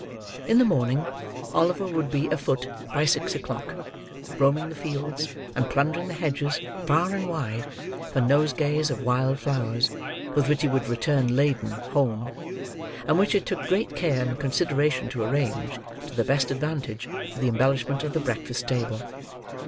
In the morning, Oliver would be a foot by six o'clock, roaming the fields, and plundering the hedges, far and wide, for nosegays of wild flowers, with which he would return laden, home; and which it took great care and consideration to arrange, to the best advantage, for the embellishment of the breakfast table.